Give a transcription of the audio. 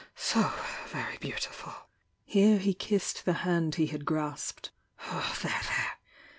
— so very beautiful!" Here he kissed the hand he had grasped. "There, there!